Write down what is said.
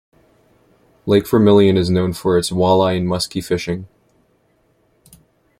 Lake Vermilion is known for its walleye and muskie fishing.